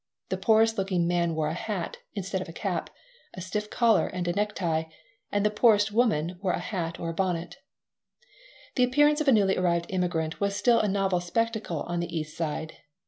The poorest looking man wore a hat (instead of a cap), a stiff collar and a necktie, and the poorest woman wore a hat or a bonnet The appearance of a newly arrived immigrant was still a novel spectacle on the East Side.